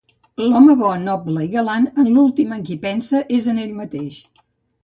L'home bo, noble i galant en l'últim en qui pensa és en ell mateix